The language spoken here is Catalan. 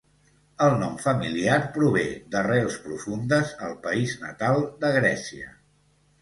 El nom familiar prové d'arrels profundes al país natal de Grècia.